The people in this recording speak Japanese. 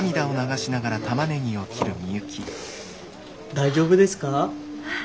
大丈夫ですか？